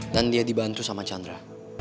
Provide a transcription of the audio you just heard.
dan dia dibantu sama chandra